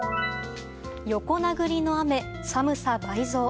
横殴りの雨、寒さ倍増！